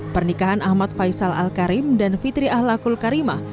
pernikahan ahmad faisal alkarim dan fitri ahlakul karimah